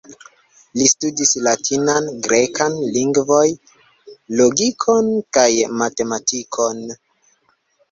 Li studis latinan, grekan lingvoj, logikon kaj matematikon.